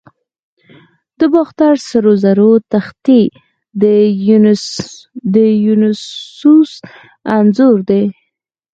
د باختر سرو زرو تختې د دیونوسوس انځور لري